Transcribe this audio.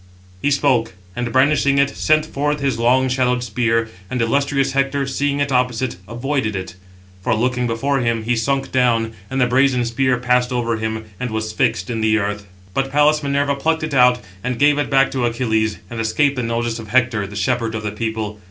He spoke, and brandishing it, sent forth his long shadowed spear, and illustrious Hector, seeing it opposite, avoided it; for, looking before him, he sunk down, and the brazen spear passed over him, and was fixed in the earth. But Pallas Minerva plucked it out, and gave it back to Achilles, and escaped the notice of Hector, the shepherd of the people.